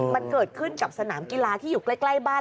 มันเกิดขึ้นกับสนามกีฬาที่อยู่ใกล้บ้าน